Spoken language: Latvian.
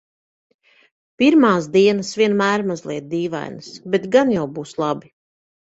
Pirmās dienas vienmēr mazliet dīvainas, bet gan jau būs labi.